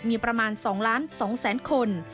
มีประมาณ๒๒๐๐๐คน